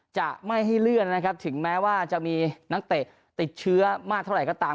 จะไม่ให้เลื่อนนะครับถึงแม้ว่าจะมีนักเตะติดเชื้อมากเท่าไหร่ก็ตาม